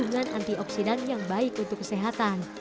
dengan antioksidan yang baik untuk kesehatan